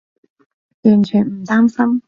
完全唔擔心